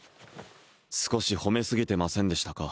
少し褒めすぎてませんでしたか？